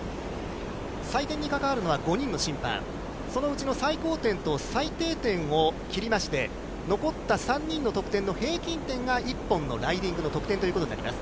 採点に関わるのは５人の審判、そのうちの最高点と最低点を切りまして残った３人の得点の平均点が１本のライディングの得点ということになります。